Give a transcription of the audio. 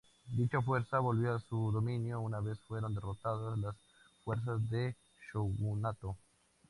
Dicha fuerza volvió a su dominio una vez fueron derrotadas las fuerzas del shogunato.